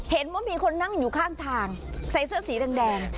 เห็นว่ามีคนนั่งอยู่ข้างทางใส่เสื้อสีแดง